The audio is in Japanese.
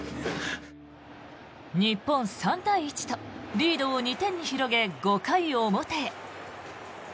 日本３対１とリードを２点に広げ５回表へ。